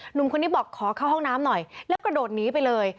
หนุ่มคนนี้บอกขอเข้าห้องน้ำหน่อยแล้วกระโดดหนีไปเลย